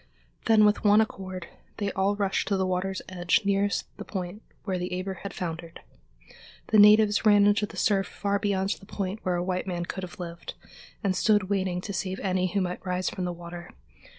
Then with one accord they all rushed to the water's edge nearest the point where the Eber had foundered. The natives ran into the surf far beyond the point where a white man could have lived, and stood waiting to save any who might rise from the water.